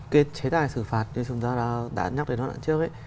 cái chế tài xử phạt như chúng ta đã nhắc về nó lần trước ấy